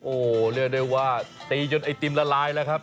โอ้โหเรียกได้ว่าตีจนไอติมละลายแล้วครับ